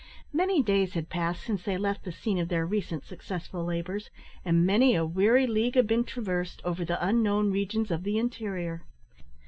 Many days had passed since they left the scene of their recent successful labours, and many a weary league had been traversed over the unknown regions of the interior.